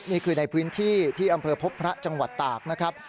นี่คือในพื้นที่ที่อำเภอพบพระจังหวัดตากนะครับ